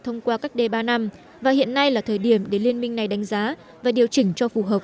thông qua cách đê ba năm và hiện nay là thời điểm để liên minh này đánh giá và điều chỉnh cho phù hợp